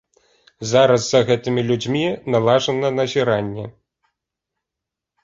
Зараз за гэтымі людзьмі наладжана назіранне.